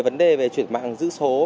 vấn đề về chuyển mạng giữ số